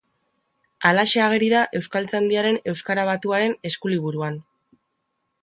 alaxe ageri da Euskaltzaindiaren Euskara Batuaren Eskuliburuan.